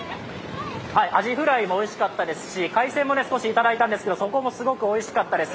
アジフライもおいしかったですし海鮮も少しいただいたんですけどそこもすごくおいしかったです。